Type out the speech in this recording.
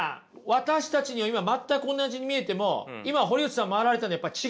私たちには今全く同じに見えても今堀内さん回られたのやっぱり違うんですか？